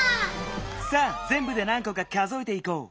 さあぜんぶで何こか数えていこう。